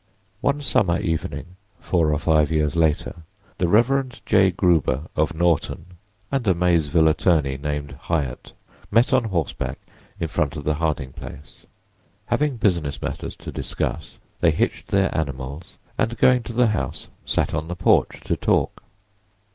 One summer evening, four or five years later, the Rev. J. Gruber, of Norton, and a Maysville attorney named Hyatt met on horseback in front of the Harding place. Having business matters to discuss, they hitched their animals and going to the house sat on the porch to talk.